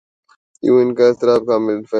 یوں ان کا اضطراب قابل فہم ہے۔